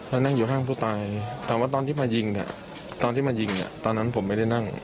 แล้วนั่งอยู่ข้างผู้ตายแต่ว่าตอนที่มายิงตอนที่มายิงตอนนั้นผมไม่ได้นั่ง